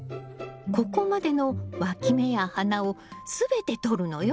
ここまでのわき芽や花を全てとるのよ。